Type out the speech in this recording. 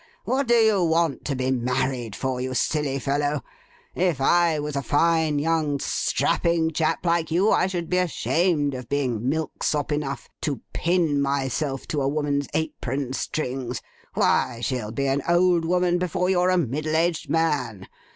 What do you want to be married for, you silly fellow? If I was a fine, young, strapping chap like you, I should be ashamed of being milksop enough to pin myself to a woman's apron strings! Why, she'll be an old woman before you're a middle aged man!